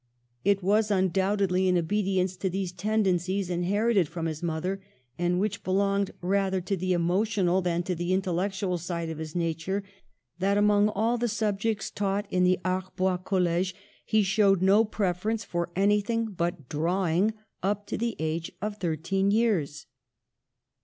It was undoubtedly in obedience to these tendencies, inherited from his mother, and which belonged rather to the emotional than to the intellectual side of his nature, that among all the subjects taught in the Arbois college he showed no preference for anything but drawing up to the age of thirteen years.